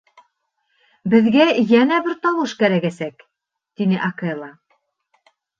— Беҙгә йәнә бер тауыш кәрәгәсәк, — тине Акела.